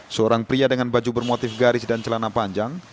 seorang pria dengan baju bermotif garis dan celana panjang